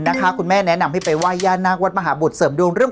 นะคะคุณแม่แนะนำให้ไปว่ายานักวันมหาบุธเสริมดวงเรื่อง